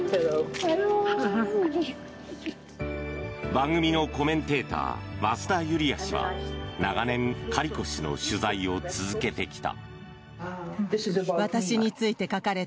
番組のコメンテーター増田ユリヤ氏は長年、カリコ氏の取材を続けてきた。